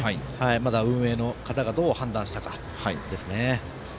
まだ運営の方がどう判断したかですね。